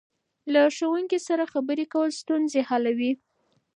له ښوونکي سره خبرې کول ستونزې حلوي.